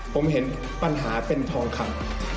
ผมเห็นปัญหาเป็นทองคำ